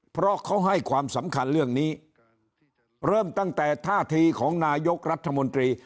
เพราะเขาให้ความสำคัญเรื่องนี้เริ่มตั้งแต่ท่าทีของนายกรัฐมนตรี